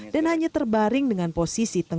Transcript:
dan hanya terbaring dengan posisi terbaring